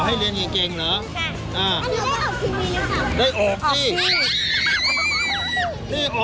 ขอให้หนูตั้งใจเรียนค่ะ